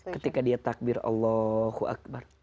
ketika dia takbir allahu akbar